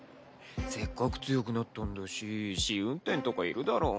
せっかく強くなったんだし試運転とかいるだろ？